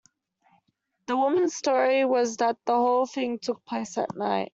The woman's story was that the whole thing took place at night